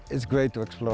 dan juga di seluruh dunia